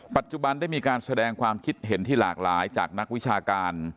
ปัจจุบันได้มีการแสดงความคิดเห็นที่หลากหลายจากนักวิชาการ